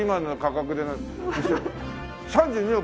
３２億？